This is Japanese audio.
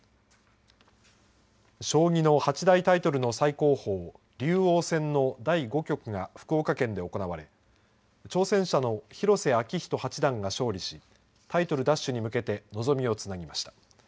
将棋の八大タイトルの最高峰竜王戦の第５局が福岡県で行われ挑戦者の広瀬章人八段が勝利しタイトル奪取に向けて望みをつなぎました。